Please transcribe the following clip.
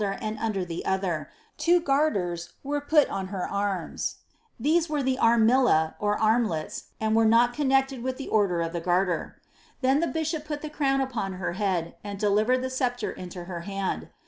117 fnder the other, two garttrs were put on her ann»— 4hese were the innilla, or armletti, and were not connected with the order of the Gar ter. Then the bishop put the crown upon her head, and delivered the ■ceplre into her hand.